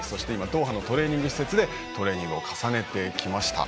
ドーハのトレーニング施設でトレーニングを重ねてきました。